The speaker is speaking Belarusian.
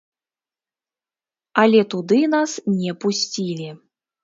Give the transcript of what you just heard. Але туды нас не пусцілі.